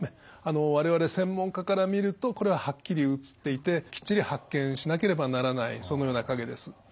我々専門家から見るとこれははっきり写っていてきっちり発見しなければならないそのような影です。